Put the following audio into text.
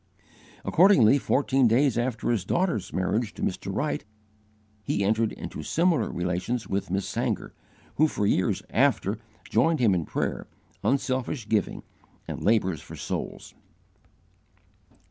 Accordingly, fourteen days after his daughter's marriage to Mr. Wright, he entered into similar relations with Miss Sangar, who for years after joined him in prayer, unselfish giving, and labours for souls.